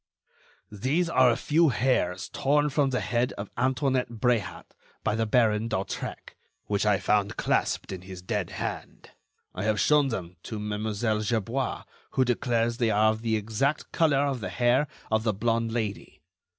"These are a few hairs torn from the head of Antoinette Bréhat by the Baron d'Hautrec, which I found clasped in his dead hand. I have shown them to Mlle. Gerbois, who declares they are of the exact color of the hair of the blonde Lady.